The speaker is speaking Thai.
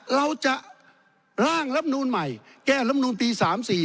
เราจะล่างรัฐมนูลใหม่แก้รัฐมนูลปี๓๔